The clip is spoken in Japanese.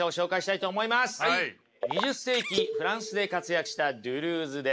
二十世紀フランスで活躍したドゥルーズです。